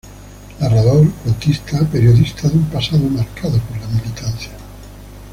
Narrador, cuentista, periodista de un pasado marcado por la militancia.